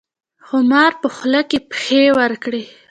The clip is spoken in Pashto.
ښامار په خوله کې پښې ورکړې.